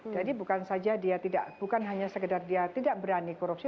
jadi bukan saja dia tidak bukan hanya sekedar dia tidak berani korupsi